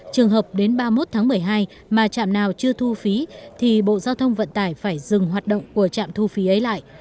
trường hợp đến ba mươi một tháng một mươi hai mà trạm nào chưa thu phí thì bộ giao thông vận tải phải dừng hoạt động của trạm thu phí ấy lại